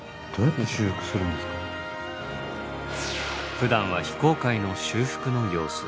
ふだんは非公開の修復の様子。